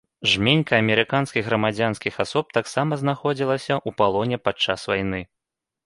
Жменька амерыканскіх грамадзянскіх асоб таксама знаходзілася ў палоне падчас вайны.